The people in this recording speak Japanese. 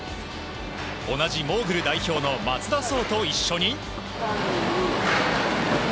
同じモーグル代表の松田颯と一緒に。